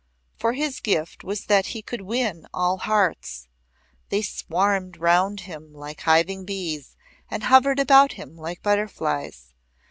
For his gift was that he could win all hearts. They swarmed round him like hiving bees and hovered about him like butterflies.